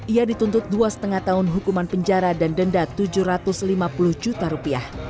ia dituntut dua lima tahun hukuman penjara dan denda tujuh ratus lima puluh juta rupiah